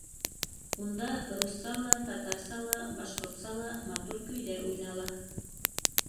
Унда русса ла, татарса ла, башҡортса ла матур көйҙәр уйнала.